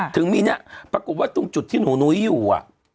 ถึงปรากฏว่าตรงจุดที่หนุนุ้ยยังอยู่